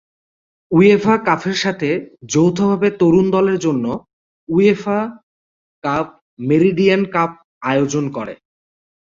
UEFA কাফের সাথে যৌথভাবে তরুণ দলের জন্য উয়েফা/কাফ মেরিডিয়ান কাপ আয়োজন করে।